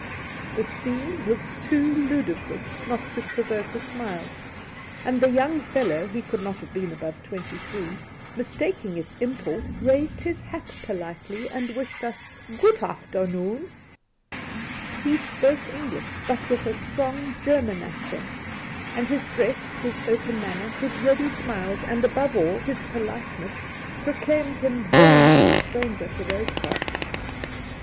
The scene was too ludicrous not to provoke a smUe, and the young fellow — he could not have been above twenty three — mistaking its import, raised his hat politely and wished us ' good afternoon,' He spoke English, but with a strong German accent, and his dress, his open manner, his ready smiles, and, above all, his politeness, proclaimed 3—2 36 Soltke him very mucli a stranger to those parts.